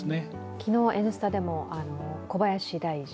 昨日「Ｎスタ」でも小林大臣。